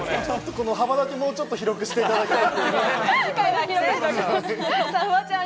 幅だけ、もうちょっと広くしていただきたい。